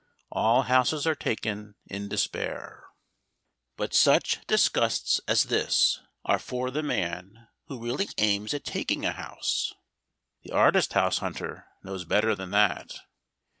All houses are taken in despair. But such disgusts as this are for the man who really aims at taking a house. The artist house hunter knows better than that.